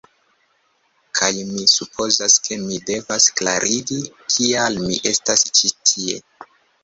Kaj mi supozas, ke mi devas klarigi kial mi estas ĉi tie